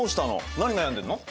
何悩んでんの？